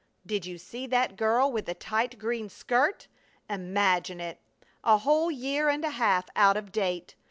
Did you see that girl with the tight green skirt? Imagine it! A whole year and a half out of date!